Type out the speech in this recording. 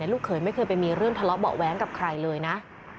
ลูกเขยไม่เคยไปมีเรื่องทะเลาะเบาะแว้งกับใครเลยนะ